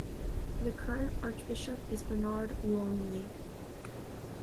The current Archbishop is Bernard Longley.